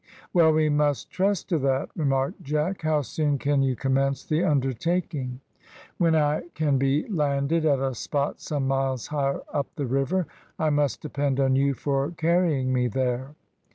"Well, we must trust to that," remarked Jack. "How soon can you commence the undertaking?" "When I can be landed at a spot some miles higher up the river. I must depend on you for carrying me there."